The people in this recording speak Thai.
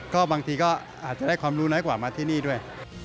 ก็บางทีก็อาจจะได้ความรู้น้อยกว่ามาที่นี่ด้วย